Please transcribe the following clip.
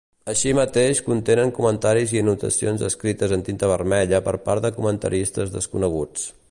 Així mateix contenen comentaris i anotacions escrites en tinta vermella per part de comentaristes desconeguts.